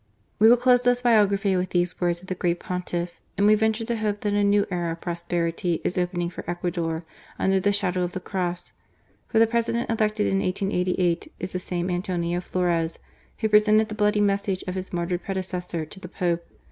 We will close this biography with these words of the great Pontiff: and we venture to hope that a new era of prosperity is opening for Ecuador under the shadow of the Cross, for the President elected in 1888 is the same Antonio Fiores who presented the bloody message of his martyred predecessor to the Pope.